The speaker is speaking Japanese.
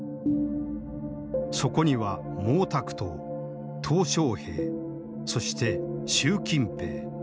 そこには毛沢東小平そして習近平。